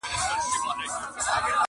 لمبو وهلی سوځولی چنار.!